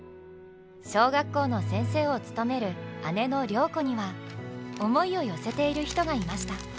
小学校の先生を務める姉の良子には思いを寄せている人がいました。